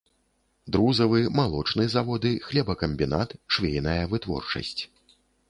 Друзавы, малочны заводы, хлебакамбінат, швейная вытворчасць.